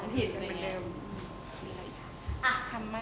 ถ้าได้จริงคุณ